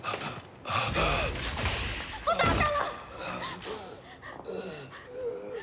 お父様！